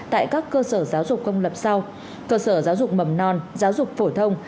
tại các cơ sở giáo dục công lập sau cơ sở giáo dục mầm non giáo dục phổ thông